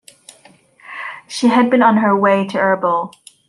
She had been on her way to Irbil.